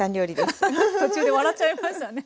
アハハッ途中で笑っちゃいましたね